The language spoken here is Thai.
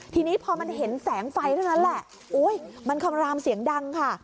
ทีนี้พอมันเห็นแสงไฟเท่านั้นแหละโอ๊ยมันคำรามเสียงดังค่ะ